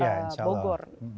ya insya allah